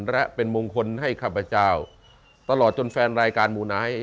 และเป็นมงคลให้ข้าพเจ้าตลอดจนแฟนรายการมูไนท์